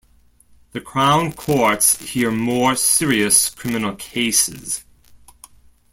The Crown Courts hear more serious criminal cases.